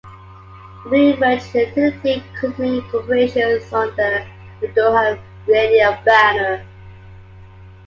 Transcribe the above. The new merged entity continued operations under the Durham Radio banner.